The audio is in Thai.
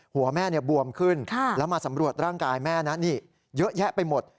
หัวแม่บวมขึ้นแล้วมาสำรวจร่างกายแม่นะนี่เยอะแยะไปหมด